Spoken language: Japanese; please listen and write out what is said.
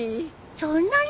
そんなに？